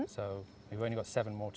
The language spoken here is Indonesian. kami memanfaatkan enam udara semalam